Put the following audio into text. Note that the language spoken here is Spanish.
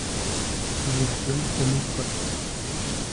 Su duración fue muy corta.